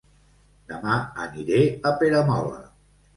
Dema aniré a Peramola